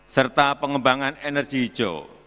serta pengembangan energi hijau